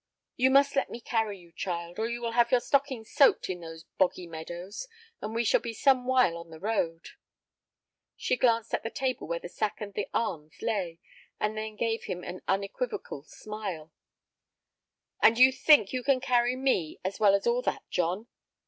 "You must let me carry you, child, or you will have your stockings soaked in those boggy meadows, and we shall be somewhile on the road." She glanced at the table where the sack and the arms lay, and then gave him an unequivocal smile. "And you think you can carry me as well as all that, John?"